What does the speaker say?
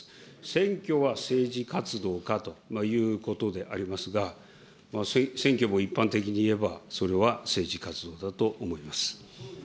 選挙は政治活動かということでありますが、選挙も一般的にいえばそれは政治活動だと思います。